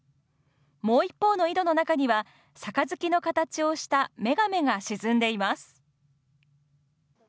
もう一方の井戸の中には杯の形をした女瓶が沈んでいます。